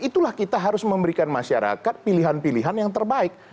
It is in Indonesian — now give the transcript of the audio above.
itulah kita harus memberikan masyarakat pilihan pilihan yang terbaik